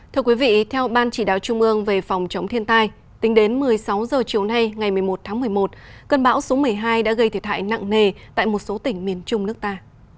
thưa quý vị theo ban chỉ đạo trung ương về phòng chống thiên tai tính đến một mươi sáu h chiều nay ngày một mươi một tháng một mươi một cơn bão số một mươi hai đã gây thiệt hại nặng nề tại một số tỉnh miền trung nước ta